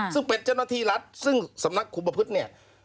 ซึ่งเป็นเจ้าหน้าที่รัฐซึ่งสำนักคุมประพฤติเนี่ย